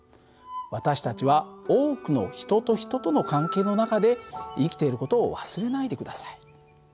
私たちは多くの人と人との関係の中で生きている事を忘れないで下さい。